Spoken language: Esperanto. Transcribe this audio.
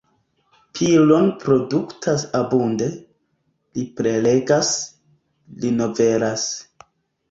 Piron produktas abunde, li prelegas, li novelas.